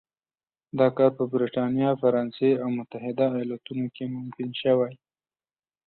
دا کار په برېټانیا، فرانسې او متحده ایالتونو کې ممکن شوی.